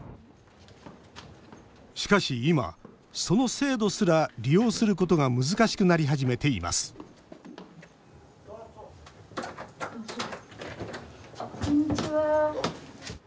しかし今その制度すら利用することが難しくなり始めていますこんにちは。